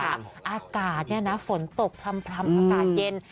อากาศเนี่ยนะฝนตกพลำอากาศเย็น